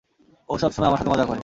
ও সবসময় আমার সাথে মজা করে।